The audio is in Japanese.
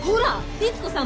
律子さん